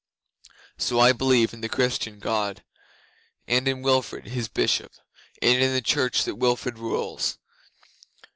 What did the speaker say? So I believe in the Christian God, and in Wilfrid His Bishop, and in the Church that Wilfrid rules.